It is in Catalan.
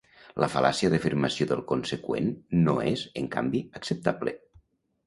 La fal·làcia d'afirmació del conseqüent no és, en canvi, acceptable.